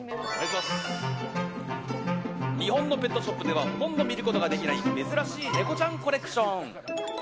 日本のペットショップではほとんど見ることができない珍しいネコちゃんコレクション。